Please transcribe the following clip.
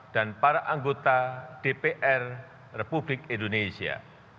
dan para anggota dpr republik indonesia